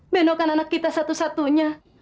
benokan anak kita satu satunya